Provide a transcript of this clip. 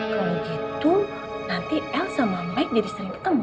kalau gitu nanti el dan mike sudah sering bertemu